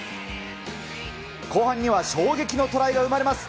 後半には衝撃のトライが生まれます。